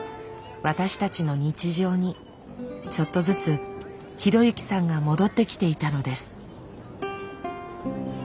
私たちの日常にちょっとずつ啓之さんが戻ってきていたのです。